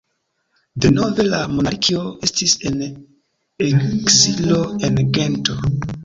Denove la monarkio estis en ekzilo, en Gento.